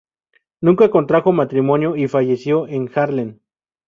Nunca contrajo matrimonio y falleció en Haarlem.